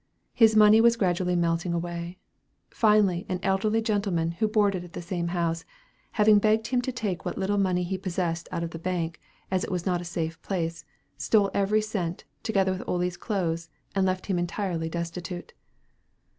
His money was gradually melting away. Finally, an elderly gentleman who boarded at the same house, having begged him to take what little money he possessed out of the bank, as it was not a safe place, stole every cent, together with Ole's clothes, and left him entirely destitute.